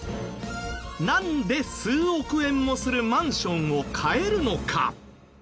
なんで数億円もするマンションを買えるのか？